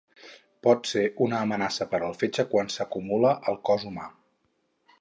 Pot ser una amenaça per al fetge quan s'acumula al cos humà.